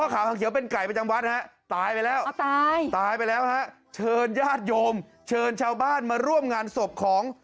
ตายไปแล้วฮะเชิญญาติโยมเชิญชาวบ้านมาร่วมงานศพของ